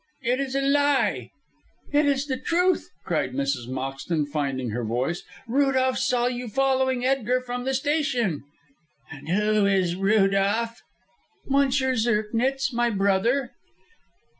"It is a lie!" "It is the truth!" cried Mrs. Moxton, finding her voice. "Rudolph saw you following Edgar from the station." "And who is Rudolph?" "Monsieur Zirknitz, my brother."